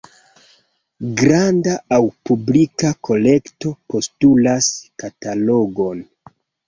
Granda aŭ publika kolekto postulas katalogon.